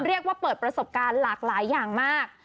เรียกว่าเปิดประสบการณ์หลากหลายอย่างมาก